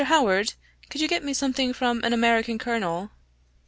Howard, could you get me something from an American Colonel?"